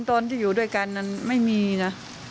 ตอนที่อยู่ด้วยกันนั้นไม่มีนะ